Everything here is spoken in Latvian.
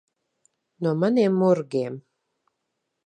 No maniem murgiem.